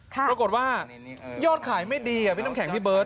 ปรากฏว่ายอดขายไม่ดีพี่น้ำแข็งพี่เบิร์ต